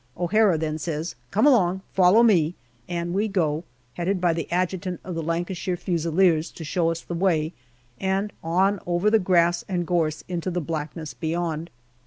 O'Hara then says, " Come along; follow me/* and we go, headed by the Adjutant of the Lancashire Fusiliers to show us the way, and on over the grass and gorse into the blackness beyond.